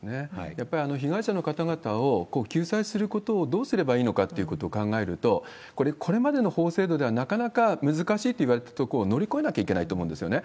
やっぱり被害者の方々を救済することをどうすればいいのかっていうことを考えると、これ、これまでの法制度ではなかなか難しいといわれたところを、乗り越えなきゃいけないと思うんですよね。